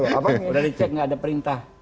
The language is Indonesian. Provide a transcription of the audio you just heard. udah dicek nggak ada perintah